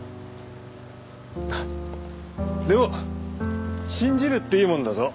でも信じるっていいもんだぞ。